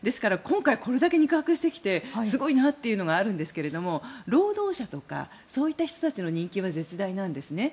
今回、これだけ肉薄してきてすごいなというのがあるんですが労働者とかそういった人たちの人気は絶大なんです。